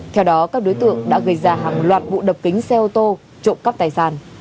theo đó các đối tượng đã gây ra hàng loạt vụ đập kính xe ô tô trộm cắp tài sản